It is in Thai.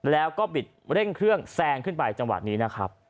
แล้วก็บิดเร่งเครื่องแซงขึ้นไปจังหวะนี้นะครับ